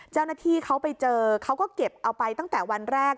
เจ้าหน้าที่เขาไปเจอเขาก็เก็บเอาไปตั้งแต่วันแรก